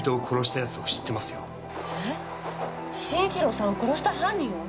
えっ慎一郎さんを殺した犯人を！？